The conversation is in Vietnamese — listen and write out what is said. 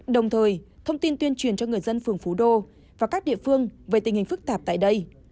đồng thời thông tin tuyên truyền cho người dân phường phú đô và các địa phương về tình hình phức tạp tại đây